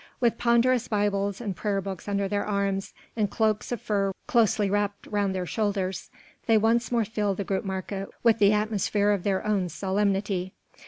With ponderous Bibles and prayer books under their arms, and cloaks of fur closely wrapped round their shoulders, they once more filled the Grootemarkt with the atmosphere of their own solemnity.